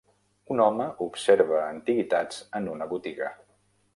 Un home observa antiguitats en una botiga.